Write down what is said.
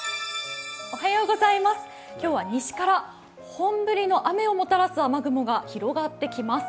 今日は西から本降りの雨をもたらす雨雲が広がってきます。